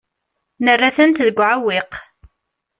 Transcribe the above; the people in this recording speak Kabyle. Nerra-tent deg uɛewwiq.